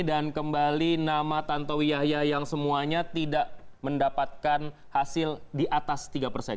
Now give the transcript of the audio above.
dan kembali nama tantowi yahya yang semuanya tidak mendapatkan hasil di atas tiga persen